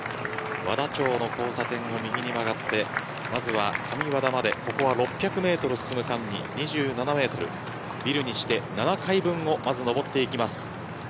和田町の交差点を右に曲がってまずは上和田まで６００メートルを進む間にビルにして７階分をのぼっていきます。